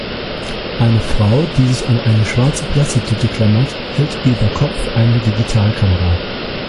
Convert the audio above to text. Eine Frau, die sich an eine schwarze Plastiktüte klammert, hält über Kopf eine Digitalkamera.